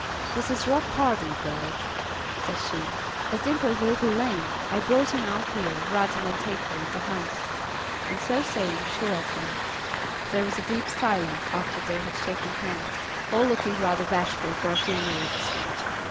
"This is Rock Hardy, girls," said she. "As Dimple is a little lame, I brought him out here, rather than take her in the house," and so saying, she left them. There was a deep silence after they had shaken hands; all looking rather bashful for a few minutes.